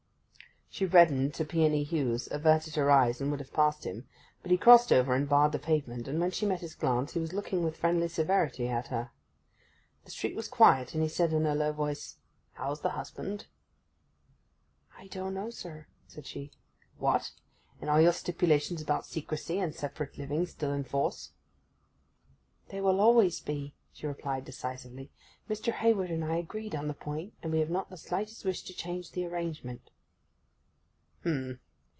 She reddened to peony hues, averted her eyes, and would have passed him. But he crossed over and barred the pavement, and when she met his glance he was looking with friendly severity at her. The street was quiet, and he said in a low voice, 'How's the husband?' 'I don't know, sir,' said she. 'What—and are your stipulations about secrecy and separate living still in force?' 'They will always be,' she replied decisively. 'Mr. Hayward and I agreed on the point, and we have not the slightest wish to change the arrangement.